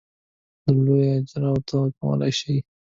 د لویو اجرونو تمه کولای شي.